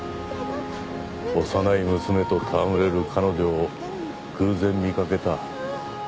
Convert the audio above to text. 幼い娘と戯れる彼女を偶然見かけた。